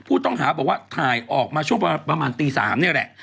ผู้ต้องหาบอกว่าถ่ายออกมาช่วงประมาณตี๓นี่แหละ